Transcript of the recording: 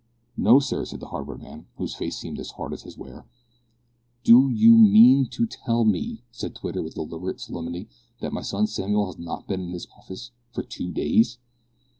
"No, sir," said the hardware man, whose face seemed as hard as his ware. "Do you mean to tell me," said Twitter, with deliberate solemnity, "that my son Samuel has not been in this office for two days?"